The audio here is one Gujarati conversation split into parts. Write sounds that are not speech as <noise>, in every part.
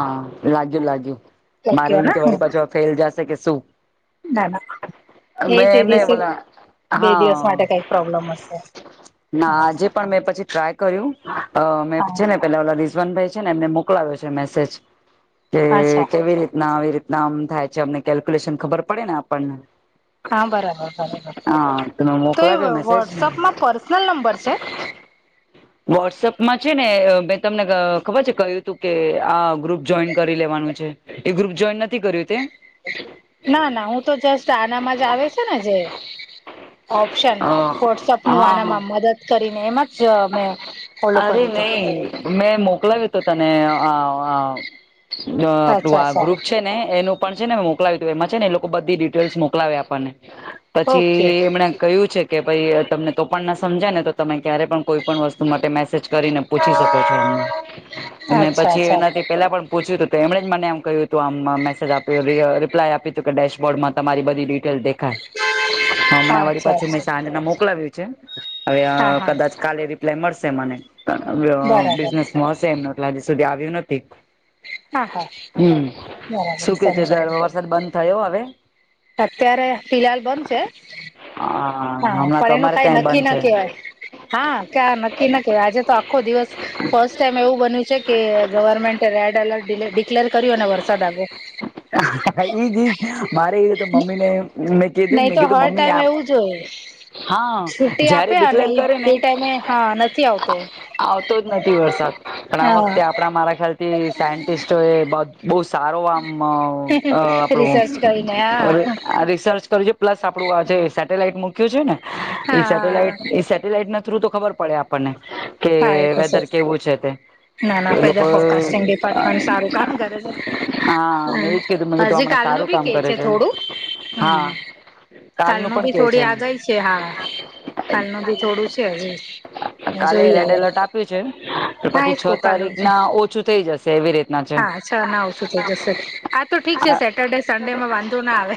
હા લાગ્યું લાગ્યું મારે ટોક્યો એમ ને કે વળી પાછો ફેલ જશે કે શું? ના ના. એ મેં તે એમને દિવસે બોલા બે હા દિવસ માટે કઈક પ્રોબ્લેમ હશે ના હા. આજે પણ મેં પછી ટ્રાય કર્યું અ મે હા છે, ને પેલા ઓ રિઝવાન ભાઈ છે ને એમને મોકલાવે છે મેસેજ કે અચ્છા કેવી રીતના આવી રીત નામ થાય છે, અમને કેલ્ક્યુલેશન ખબર પડે ને આપણને. હા બરાબર બરાબર હા તમે તો મોકલાવ્યો એ મેસેજ વોટ્સઅપમાં પર્સનલ નંબર છે. વોટ્સઅપમાં છે, ને મેં તમને ખબર છે, કહ્યું તું કે આ ગ્રુપ જોઈન કરી લેવાનું છે. એ ગ્રુપ જોઈન નથી કર્યું તે? ના ના હું તો જસ આનામાં જ આવે છે, ને જે. ઓપ્શન અ વોટ્સઅપ હા નું હા આનામાં મદદ કરીને એમાં જ મે ફોલો અરે કર્યું હતું. નહી મેં મોકલાવ્યો તો તને અ અ જો અ અચ્છા આપણું આ અચ્છા ગ્રુપ છે, ને એનું પણ છે, ને મોકલાવીયું હતુ એમાં છે ને એ લોકો બધી ડિટેલ્સ મોકલાવે આપણને ઓકે પછી એમણે કહ્યું છે, કે ભાઈ તમને તો પણ ના સમજાય ને તો તમે ક્યારે પણ કોઈ પણ વસ્તુ માટે મેસેજ કરીને પૂછી શકો છો અમને અમને મે અચ્છા પછી અચ્છા એનાથી પેલા પણ પૂછ્યું હતું તે એમણે જ મને એમ કહ્યું હતું આમ આમ મેસેજ આપ્યું રિ રિપ્લાય આપ્યું હતું કદાચ. બોર્ડમાં તમારી બધી ડિટેલ દેખાય. <unintelligible> <unintelligible> હમણાં વરી અચ્છા પાછી મેં અચ્છા સાંજના મોકલાવ્યું છે, હવે અ હા હા કદાચ કાલે રિપ્લાય મળશે મને અ બરાબર બિઝનેસમાં હશે એમને હજી સુધી આવ્યું નથી. હા હા હમ બરાબર શું કે છે, સમજાયું વરસાદ બંધ થયો હવે? અત્યારે ફિહાલ બંધ છે. હા હમણાં પણ તો એનું અમારે કઈ ત્યાં નક્કી બંધ ના છે કહેવાય. હા ક્યાં નક્કી ન કેવાય આજે તો આખો દિવસ ફર્સ્ટ ટાઈમ એવું બન્યું છે, કે government red alert delay declare કર્યો ને વરસાદ આવ્યો. ઇજ ઇજ મારે ઇજ. મમ્મી ને મેં કીધું નહી મેં તો કીધું હર મમ્મી ટાઈમ આમ એવું જ હોય હા છુટ્ટી જયારે આપે અને ડિક્લેર કરે ને એ ટાઈમે હા નથી આવતો આવતો જ નથી વરસાદ. પણ આ હા વખતે આપણા મારા ખ્યાલ થી સાયન્ટિસ્ટો એ બ બહુ સારો અ અ આપણું રિસર્ચ કરીને હા રિસર્ચ કરજો. પ્લસ આપડું આ જે સેટેલાઈટ મૂક્યું છે, ને એ હા સેટેલાઈટ સ સેટેલાઈટ ના થ્રુ તો ખબર પડે આપણને કે હા એ તો વેધર કેવું છે, તે ના ના એ લોકો ફેદર ફોરકાસ્ટિંગ ડિપાર્ટમેન્ટ સારું કામ કરે છે. હા મેં હમ એજ કીધું મેં કીધું હજી હમણાં સારું કાલનું બી કે કામ કરે છે, થોડું હમ. હા કાલનું પણ ભી કે છે થોડી એમ. આગઈ છે, હા કાલનું ભી થોડું છે, હવે. કાલે જોઈએ રેડ એલર્ટ આપ્યું છે. તો હા એ પછી જ કવ છ કાલનું તારીખ છે ના ઓછું થઈ જશે એવી રીતના છે. હા ના ઓછું થઈ જશે હા તો ઠીક છે આ સેટરડે સન્ડે માં વાંધો ના આવે.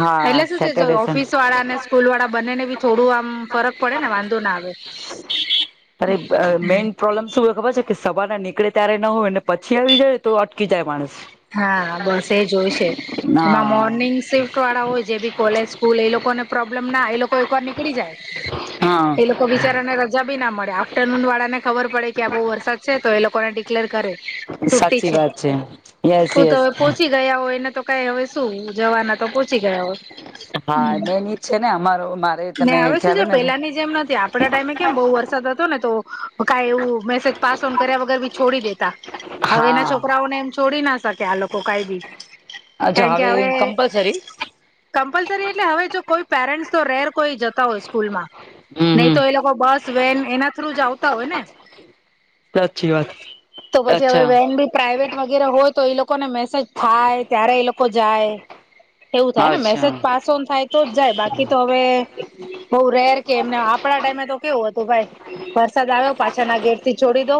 હા એટલે શું છે, જો સેટરડે સન ઓફિસ વાળા અને સ્કૂલ વાળા બંનેને બી થોડું આમ ફરક પડે ને વાંધો ના આવે. અરે બ મેન પ્રોબ્લમમ શું ખબર છે? કે સવાર ના નીકળે ત્યારે ના હોય પછી આવી જાય તો અટકી જાય માણસ. હા બસ એ જોય છે. એમાં મોર્નિંગ શિફ્ટ વાળા હોય જે બી કોલેજ સ્કૂલ એ લોકોને પ્રોબ્લેમ ના એ લોકો એક વાર નીકળી જાય હા. એ લોકો બીચારાને રજા બી ના મળે આફ્ટરનૂન વાળા ને ખબર પડે કે આ બહુ વરસાદ છે, તો એ લોકોને ડિક્લેર કરે. સાચી વાત છે. યસ હું તો યસ હવે પોહોંચી ગયા હોય એને તો કઈ હવે શું જવાના તો પહંચી ગયા હોય. હા મેન ઈજ છે ને અમારો મારે ને તને આવે સુ ખ્યાલ જો હોય ને પેલા ની જેમ નથી આપડા ટાઈમે કેમ બઉુ વરસાદ હતો ને તો કઈ એવું મેસેજ પાસ ઓન કર્યા વગર બી છોડી દેતા હવે એના હા છોકરાઓને એમ છોડી ના શકે આ લોકો કઈ બી અચ્છા કારણ કે હવે અવે કમ્પલસરી કમ્પલસરી એટલે હવે જો કોઈ પેરેન્ટસ તો રેર કોઈ જતા હોય સ્કૂલમાં હમ નહી હમ તો એ લોકો બસ વેન એના થ્રુ જ આવતા હોય ને અચછી વાત તો પછી હવે અચ્છા વેન બી પ્રાઇવેટ વગેરે હોય તો એ લોકોને મેસેજ થાય ત્યારે એ લોકો જાય એવું થાય ને મેસેજ અચ્છા પાસ ઓન થાય તો જ જાય બાકી તો હવે બઉ રેર કે એમને આપડા ટાઈમે તો કેવું હતું ભાઈ સદ આવ્યો પાછાના ગેટ થી છોડી દો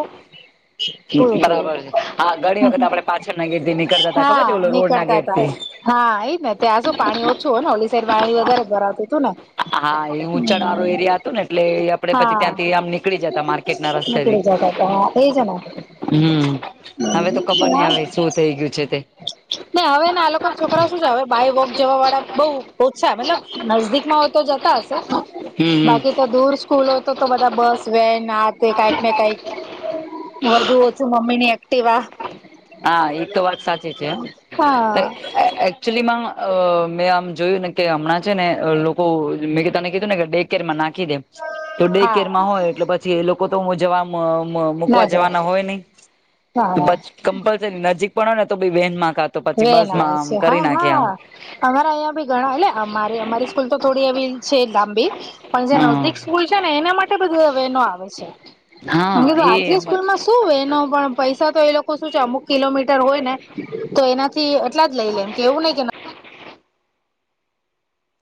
પૂરું થયું. બરાબર છે હા ઘણી વખત આપડે પાછળના ગેટ થી નીકળતા હતાા ખબર હા છે બોલો રોડ ના નીકળતા ગેટ હતા થી હા એઈ ને ત્યાં શું પાણી ઓછું હો ને ઓલી સાઈડ પાણી વધારે ભરાતું હતું ને હા એ ઉંચાડ વાળો એરિયા હતું ને એટલે એ આપડે પછી હા ત્યાંથી આમ નીકળી જતા માર્કેટના રસ્તે નીકળી થી જતા હા એ જો હમ હવે તો ખબર નહ આવે શું થઇ ગયું છે તે ને હવે ને આ લોકો ના છોકરા શું છે હવે બાય વોક જવા વાળા બઉ ઓછ મતલબ નજદીકમાં તો જતા હશે હમ બાકી તો દૂર સ્કૂલો હોય તો બધા બસ વેન હ કઈક ને કઈક વધુ ઓછું મમ્મી ની એક્ટવા આ હા એક તો વાત સાચી છે હા એકચુલી માં મેં આમ જોયું ને કે હમણાં છે ને લોકો મેં તને કીધું ને કે ર નાખી દે તો ડ હા કેરમાં હોય એટલે પછી એ લોકો તો હું જવા ના મકવા જાય જવાના હોય નહ હા તો હા પછ કમ્પલસરી નજીક પણ ને તો વહેન માં ખા વેન આવે છે હા હા અમારા અહીં ભી ઘણા એટલે અમારી સ્કૂલ તો થોડી એ છે લાંબી પણ જે હમ નદીક સ્કૂલ છે ને એના માટે બધીધ વેનો આવે છે હા કધું એ આટલી સ્કૂલ માં શું વેનો પણ પૈસા તો એ લોકો શું છે અમુક કિલોમીટર હોય ને તો એનાથી એટલા જ લઈ લેમ કે એવું નહી કે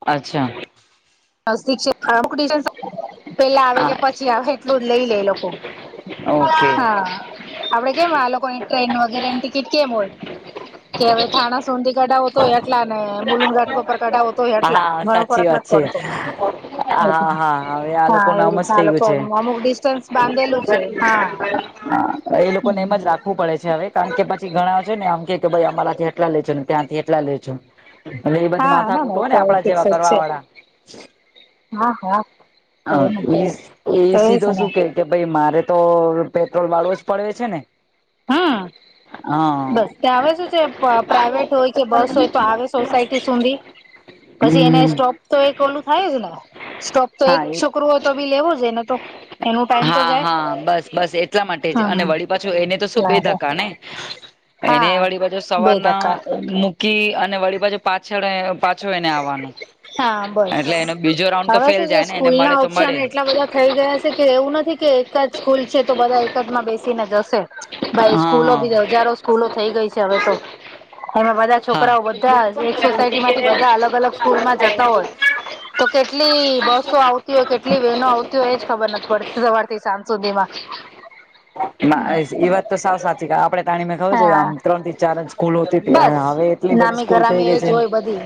અચ્છા શિક્ષ પેલા આવે કે હા પછી આવે એટલું જ લઈ લે લો ઓકે હા આપડે કેમ આ લોકોની ટ્રેન વગેરે ની ટિકિટ કેમ હોય કે હવે થાણા સુંંધી કઢાવો તોય એટલા ને મુલઝટકો પર કઢા હોતો હેટલા હા મનો સાચી ફરક ના વાત છે પડતો હા હા હવે આ હા લોકો એવી નામજ રીતના આ થઈ લોકો ગયું છે અમુક ડિસ્ટન્સ બાંધેલું છે હા હા એ લોકો ને એમ જ રાખવું પડે છે હવે કારણ કે પછી ઘણા છે ને આમ કે કે ભાઈ અમારાથી એટલા લેજોને ત્યાંથી એટલા લેજો એટલે એ બધી હા ના માથાકૂટ ના હોય ને તો આપડા ફિકસ જેવા જ છે કરવા વાળા હા હા તો એને હ એ તો સીધો છે ને શું કે કે ભાઈ મારે તો પેટ્રોલ વાળો જ પડે છે ને હમ હા બસ ત્યાં આવે શું છે પ્રાઇવેટ હોય કે બસ હોય તો સો સુધી પછી એને હમ સ્ટોપ તો એક ઓલું થાય જ ને સોપ તો એક હા એ છોકરું હો તો ભી લેવો જ ને તો એનું ટાઈમ તો હા જાય હા બસ બસ એટલા માટે જ અને વળી પછી એને તો શું બે હમ ધકા ને એને વળી પાછુ હા બે સવારના ટકા કી અને વળી પાછ પાછળ પાછો એને આવવાનું હા બસ એટલે એનો બીજો રાઉન્ડ તો હવે શું છે જાય ને એને સ્કૂલ મળે ના તો ઓપ્શન મળે એટલા બધા થઈ ગયા છે કે એવું નથી કે એકદ સ્કૂલ છે તો બધા એકદ માં બેસીને જશે ભાઈ સ્કૂલો હા હા બી હજારો સ્કૂલો થઈ ગઈ છે હવે તો એમાં બધા હા છોકરાઓ બધા એકસો બ અલગ અલગ સ્કુલમાં જતા હોય તો કેટ બસો આવતી હોય કેટલી વહેનો આવતી હોય એજ ખબર નથી પડતી સવારથી સાંજ સુધી માં ના એ વાત તો સાવ સાચી આપડે તાણી મે ખબર છે આમ હા ત્રણ થી ચાર અં સ્કૂલોતી હતી બસ હવે એટ બધી નામી સ્કલ થઈ ગરામી ગઈ એ છે. જોય બધી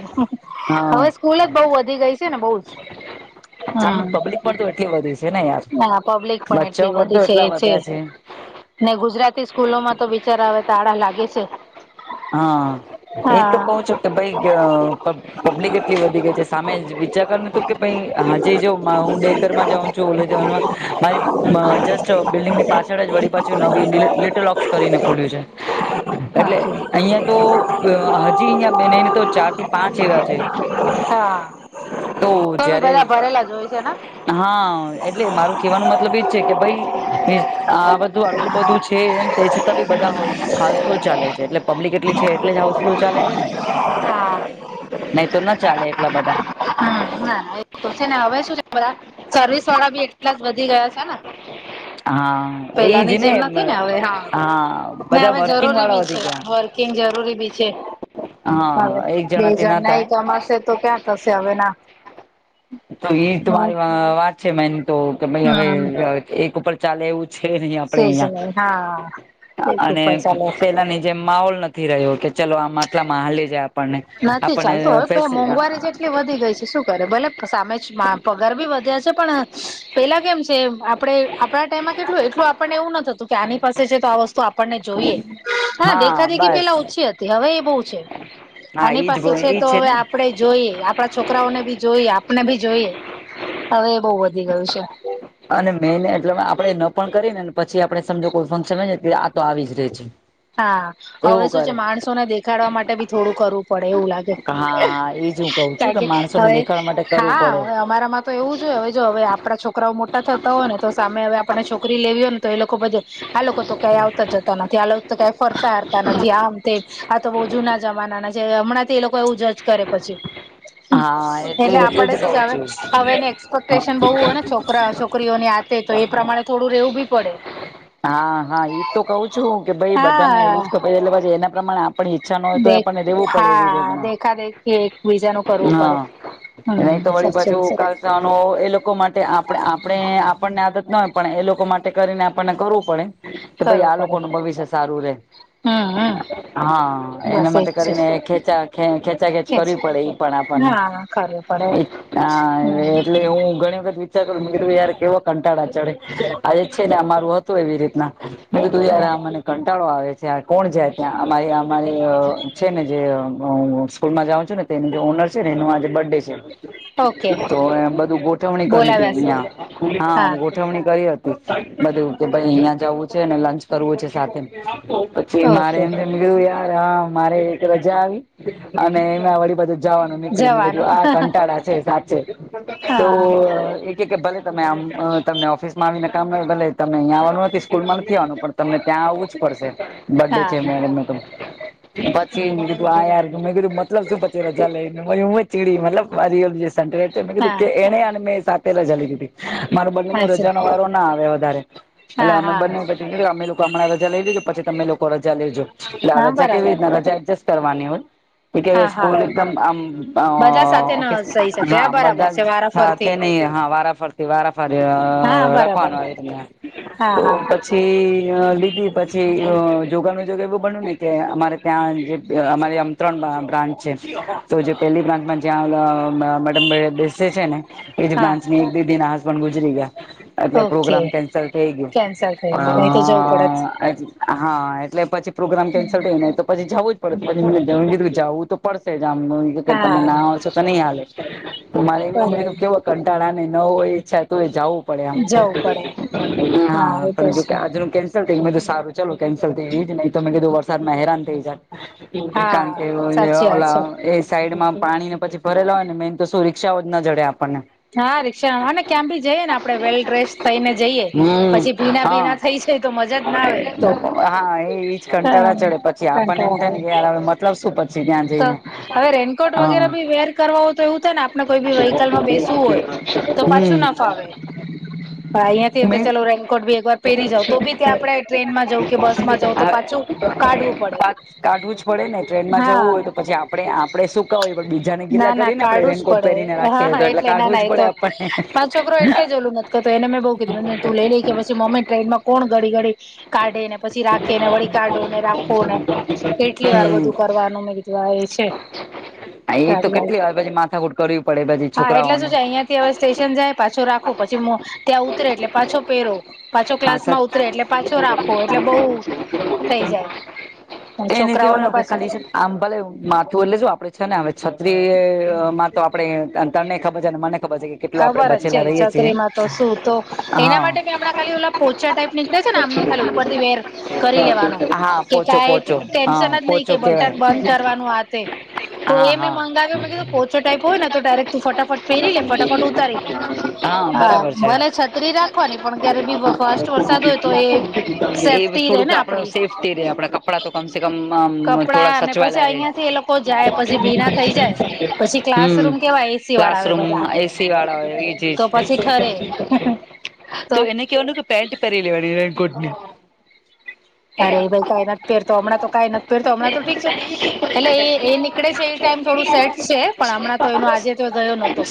હવે હા સ્કૂલ જ બહ વધી ગઈ છે ને બઉ જ. સામે હમ પબ્લિક પણ તો એટલી વધી છે ને યાર ના પબ્લિક પણ એટલી બચ્ચાઓ વધી તો છે એટલા એ છે. વધ્યા ને ગુજરાતી સ્કૂલો માં તો બિચારા આવે તાળા લાગે છે. હા એ તો હા. કહું છો કે ભાઈ. પબ્લિક એટલી વધી ગઈ છે સામે વિચાર કર નતું કે પ હાજ જો હું છું જ મારી જ બિલ્ડિંગની પાછળ જ વળી પાછ નવી લટલ ઓ કરીને ખુલ્યું છે એટલે અહિયાં તો હજી અહંયા બેનેને તો ચાર થી પાંચ એવા છે હા તો બી બધા ભરેલા જો હોય છે ના હા એટલે મારું કેહેવાનો મતલબ એજ છે કે ભાઈ આ બધું આટલું બધું જ છે તે છતાં બી બધા ફફુ ચાલે છે એટલે પબ્લિક એટલે છે એલે જ હાઉસફુલ ચાલે છે ને હા. નહી તો ના ચાલે એટલા બધા હ ના એ તો છે ને હવે શું બરાબ સર્વિસ વાળા બી એટલા જ વધી ગયા છે ને હા એજ પેલાની જેમ નથી ને હવે હા બધા હવે વર્કિંગ જરૂરી વાળા બી છે વધી ગયા વ કિંગ જરૂરી બી છે. હવે હા એક બે જણાથી હજાર ના નાઈ થાય કમાશે તો ક્યાં થશે હવે ના. તો એ મારી વાત છે મેન તો કે ભાઈ હમ હવે એક ઉપર ચાલે એવું. છે નહી આપણેે સેજ હા અહિયાં એક અને ઉપર ચાલે છે. પેલાની જેમ માહોલ નથી રહ્યો કે ચલો આમટલામાં હાલી જાય આપ નથી ચાલતું હવે મોંઘવારી જેટલી વધી ગઈ છે. શું કરે ભલે સામે પગાર ભી વધ્યા છે પણ પેલા કેમ છે? આપણે આપણા ટાઈમમાં કેટલું એટલું આપણને એવું નતું કે આની પાસે છે તો આસ્ત તો આપણને જોઈએ હા દેખા દેખી પેલા ઓછી હતી હવે એ બહુ છે હા આની ઈજ પાસે છે ઈજ તો હવે ને આપણે જોઈએ આપડા છોકરાઓને બી જોઈએ આપને બી જોઈએ હવે એ બહ વધી ગયું છે. અને મેને એટલે આપડે ન પણ કરીને પછી આપડે સમજો કોઈ ફંક્શન હોય ને આ તો આવી જ રે છે. હા હવે એવું શું છે કરે માણસોને દેખાડવા માટે બી થોડું કરવું પડે એવું લાગે. હા હા એજ હું કઉ ક છું કે માણસોને હવે દેખાડવા માટે કરવું હા પડે હ અમારામાં તો એવું જોઈએ હવે જો હવે આપણા છોકરાઓ મોટા થતા હોય ને તો સામે હવે આપણે છોકરી લેવી હો ને તો એ લોકો બધે આ લોકો તો કં આવતા જતા નથી આ તો કંઈ ફરતા હરતા નથી આમ તે આ તો બહ જુના જમાનાના છે હમણાંથી એ લોકો એવું જજ કરે પછી. એટલે આપડે શું જ આવે હવે એની એક્સપેક્ટેશન બહુ હોય ને છોકરા છોકરીઓની આ તો એ પ્રમાણે થોડું રહેવું બી પડે. હા હા ઈ તો કહ છું કે ભાઈ બધા ને હા એવું જ ખબર એટલે પછ એના પ્રમાણે આપણે દે હા દેખા દેખી એક બીજાને કરવું પડે હા હમ નહી તો વળી પાછું સાચે- ઉકાળસાનો એ લોકો માટે આપ આપણે આપણને આદત ના હોય પણ એ લોકો માટે કરીને આપણને કરવું પડે તો ભાઈ કરવું આ લોકો પડે ન ભવિષ્ય સારું રેય હમ હમ હા એના બસ માટે એજ કરીને ખેચા ખેંચા ખેચ છે એજ કરવી પડે અ‌આઆ હા કરવું પડે હમ એટલે હું ઘણી વખત વિચાર કરું મરું યાર કેવો કંટાળા ચડે આજે છે ને અમારું હતું એવી રીતના બુંરાને કંટાળો આવે છે કોણ જાય ત્યાં અમારી અમારી છે ને જે હ સ્કૂલમાં જાઉં છું ને તેની ઓનર છે ને એનું આજે બર્થ ડે ઓકે છે તો એ બધું ગોઠવણી કરી બોલાવ્યા હતી છે હાો હા ઉજવણી કરી હતી બધું કે ભાઈ અહિયાંયા જવું છે અનેને લંચ કરવું છે સાથે પછી મારે ઓકે એમ ધું યાર હા મારે એક રજા આવી અને એ વળી બધ જવાનું જવાનો નીકળીું આ કંટાળા છે સાચે તો હા કે ભલે તમે આમ તમને ઓફિસ માં આવીને કામ ભલે તમે અહીં આવવાનું નથી સ્કૂલ માં નથીવાનું પણ તમને ત્યાં આવવું જ પડશે બર્ ડે છે હા મેરેજ તો પછીધું આાર મેં કીધું મતલબ શું પે ચલે હું ચીડી મતલબ સ મે કીધું હા કે એને અને મેં સા સાથે લ જલી દીધી. મારે બંને ન અચ્છા રજાનો વારો ના આવે વધારે એટલે હા અમે હા બને પછી અમે લોકો હણાં રજા લઈ લી કે પછી તમે લોકો રજા લેજો એટલે આ હા રજા કેવી બરાબર રીતેના ર એ કરવાની હોય એવે હા હા સ્કૂલ ઓ બધા સાથે ન થઈ શકે હા બરાબર મજા છે વારાફરથી સાથે નહી હા વારાફરતા વારાફરી હા બરાબર રખવાનું હા હો. હા પછી લીધી પછી જોગાાનુજગ એવું બન્યું ને કે અમારે ત્યાં જે અમારે ત્રણ બ્રાન્ચ છે. તો જે પેલી બ્રાન્ચમાં જ્યાં મટનબ બેસે છે ને એજ હા બાન્ એક દીધી ના હસબન્ડ ગુજરી ગયા એટલે ઓકે પ્રોગ્રામ કેન્સલ થઈ ગયો. કેન્સલ થઈ ગયું નહી તો જવું પડે હા એટલે પછી પ્રોગ્રામ કેન્સલ થઈ નને તો પછી જવું જ પછી જ કીધું જાવવું તો પડશે જ આમનું તમે હા ના આવશો તો નહી હાલે મારે એમમું બરાબર કેવય કંટાળાને ન હોય ઈચ્છા તું એ જઉ પા પણ જવું પડે હા એ તો છે આજ કે તો સારું ચાલ કેન્સલ થઈ જ નહીં તોમે કીધું વરસાદમાં હેરાન થઈ હા જાય. સાચી <unintelligible> વાત છે એ સાઈડમાં પાણી ને પછી ભરેલા હોય ને મેન તો શું રિક્ષાઓ જ ના જડે આપણને હા રિક્ષા અને ક્યાં ભી જઈએેને આપે વેલ ડ્રેસ થઈને જઈએે હમ પછી ભીના હા પીના થઈ છે તો મજા જ ના આવે તો હા એ એજ હા કંટાળા ચડે પછી આપણને એમ થાય ને કે યાર હવે મતલબ શું પછી ત્યાં તો જઈને હવે રેનકોટ વગેરે હા ભી વેર કરવા તો એવું થાય ને આપણે કોઈ બી વહીકલમાં બેસવું હોય તો પાછું ના હમ ફાવે. હા અહિયાં થી એમ તો મે ચાલો રેનકોટ બી એક વાર પહેરી જઉાવ તો બી ત્યાં આપણે ટ્રેનમાં જઉું કે બસ માં જઉ તો પાછું કાઢવું પડે કાઢવું જ પડે ને ટ્રેનમાં જવું હા હોય તો પછી આપણે આપડે શું. હોય બીજાને ના ગીલા ના કરીને આપણે કાઢું જ રેનકોટ પહેરીને પડે હા હા રાખીએ. એટલે કાઢવું જ પડે આપણને લું નથી એ મેં બઉુ કીધું મને તું લઈ લઈ કે પછી મ્મી ટ્રેનમાં કોણ ગડી ગડી કાઢે ને પછી રાખે ને વળી કાઢો ને રાખો ને કેટલી વાર હમ બધું કરવાનું મેવા એ છે. એ તો કાઢવાનું. કેટલી વાર માથા કરવી પડેછી. હા એટલે શું જાય અહિયાં થી હવે સ્ટેશન જાય પાછો રાખો પછી ત્યાં ઉતરે એટલે પાછો પહેરો. પાછો હા સરચ ક્લાસમાં ઉતરે એટલે પાછો રાખો એટલે બહુ થઈ જાય એને છોકરાઓને કેવયનું કે પાછી ખાલી આમ ભલે માથું એલેેજ આપડે છે ને હવે છત્રી મા આપડે તને ખબર છે અને મને ખબર છે કે કેટલો આપડે ખબર જ છે બચેલા રહીએ છીએ છોકરીમાં તો શું તો એના હા માટે મે હમણાં ખાલી ઓ પોચા ટાઈપ નીકળે છે ને આમમ ખાલી ઉપરથી વેર કરી લેવાનો હા કે ક પોચો પોચો ટેન્શન હા જ નહી પોચો કે કેવાય બટન બંધ કરવાનું આથે તો એ હા મેં હા મંગાવ્યું મેં કીધું પો ટાઈપ હોય ને તો ડાયરેક તું ફટફટ પહેરી ફટાફટ ઉતાર હા હ બરાબર છે ભલે છત્રી રા એ એ સેફ્ટી રે થોડુંક ને આપડ આપડી સેફ થ રે આપડા ક કપડા તો કમસે કમ કપડા થોડા અને સચવા લ પછી ર. અહિયાં થી એ લોકો જાય પછી ભીના થઈ જાય પછી હમ ક્લાસરૂમ કેવા એસી વાળા આવે બધા ક્લાસરૂમમાં એસી વાળા હોય એ જ તો છે. પછી ઠરે તો એને કેવાનું કે પેન્ટ પહેરી લેવાની રેનકોટની. અરે ભાઈ કંઈ નથી પહેરતો હમણાં તો કાઈ નથી પહેરતો હમણાં તો ઠીક છે એટલે એ નીકળે છે એ ટાઈમ થોડું સેટ છે પણ હમણાં તો એનો આજે તો ગયો નહોતો.